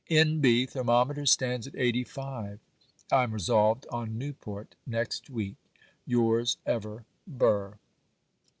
N.B. Thermometer stands at 85. I am resolved on Newport next week. 'Yours ever, 'BURR.